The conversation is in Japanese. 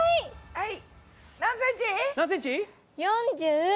はい。